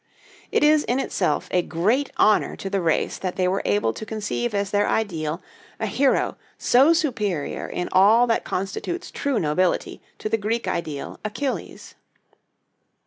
It is in itself a great honor to the race that they were able to conceive as their ideal a hero so superior in all that constitutes true nobility to the Greek ideal, Achilles.